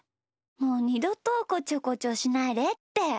もうにどとこちょこちょしないでって。